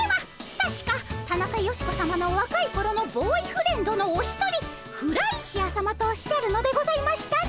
たしかタナカヨシコさまのわかいころのボーイフレンドのお一人フライシアさまとおっしゃるのでございましたね。